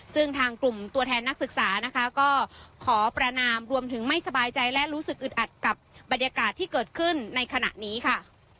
ซึ่งทางกลุ่มตัวแทนนักศึกษานะคะก็ขอประนามรวมถึงไม่สบายใจและรู้สึกอึดอัดกับบรรยากาศที่เกิดขึ้นในขณะนี้ค่ะ